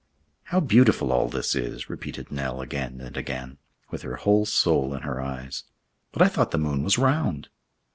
"How beautiful all this is!" repeated Nell again and again, with her whole soul in her eyes. "But I thought the moon was round?"